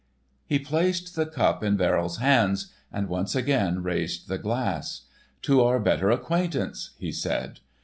He placed the cup in Verrill's hands, and once again raised the glass. "To our better acquaintance," he said.